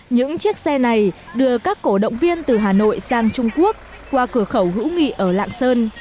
những chiếc xe này đưa các cổ động viên từ hà nội sang trung quốc qua cửa khẩu hữu nghị ở lạng sơn